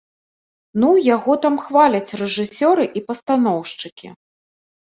Ну, яго там хваляць рэжысёры і пастаноўшчыкі.